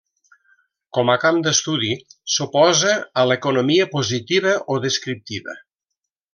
Com a camp d'estudi s'oposa a l'economia positiva o descriptiva.